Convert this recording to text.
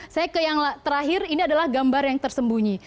saya ke yang terakhir ini adalah gambar yang tersembunyi